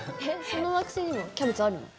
その惑星にもキャベツあるの？